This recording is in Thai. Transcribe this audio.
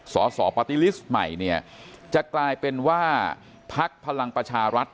สสปทิริสต์ใหม่เนี่ยจะกลายเป็นว่าภักดิ์พลังประชารัฐ